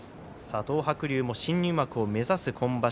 東白龍も新入幕を目指す今場所